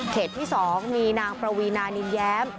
เขตที่๒มีนางประวีนานิย้ำ